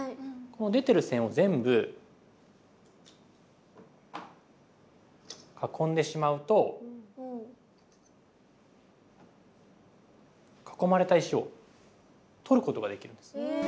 この出てる線を全部囲んでしまうと囲まれた石を取ることができるんです。